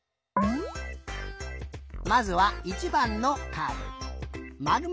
まずは１ばんのカード。